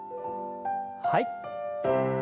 はい。